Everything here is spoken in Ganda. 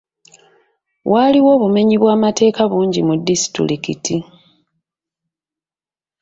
Waaliwo obumenyi bw'amateeka bungi mu disitulikiti